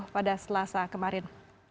pada selasa kemarin